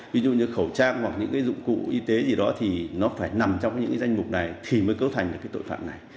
ví dụ như khẩu trang hoặc những dụng cụ y tế gì đó thì nó phải nằm trong những danh mục này thì mới cấu thành được cái tội phạm này